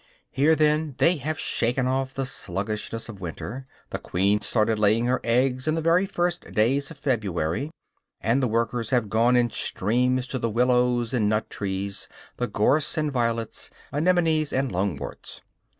Here, then, they have shaken off the sluggishness of winter. The queen started laying her eggs in the very first days of February, and the workers have gone in streams to the willows and nuttrees, the gorse and violets, anemones and lungworts.